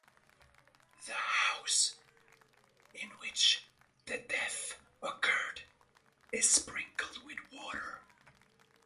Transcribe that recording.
The house in which the death occurred is sprinkled with water.